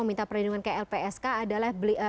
meminta perlindungan ke lpsk adalah